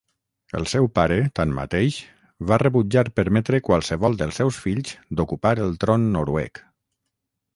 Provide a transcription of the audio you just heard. El seu pare, tanmateix, va rebutjar permetre qualsevol dels seus fills d'ocupar el tron noruec.